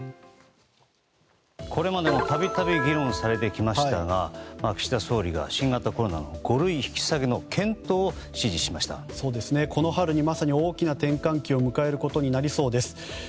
これまでも度々、議論されてきましたが岸田総理が新型コロナの五類引き下げの検討をこの春にまさに大きな転換期を迎えることになりました。